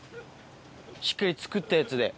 しっかり作ったやつで。